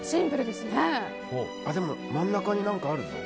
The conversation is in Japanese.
でも真ん中に何かあるぞ。